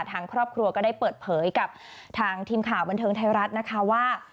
ทางครอบครัวก็ได้เปิดเผยกับทางทีมข่าวบันเทิงไทยรัฐนะคะว่า